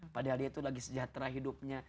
padahal dia itu lagi sejahtera hidupnya